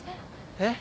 えっ？